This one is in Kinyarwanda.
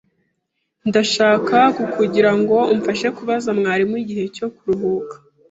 Ndashaka kukugira ngo umfashe kubaza mwarimu igihe cyo kuruhuka.